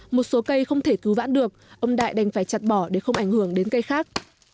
một số cây không thể cứu vãn được ông đại đành phải chặt bỏ để không ảnh hưởng đến cây khác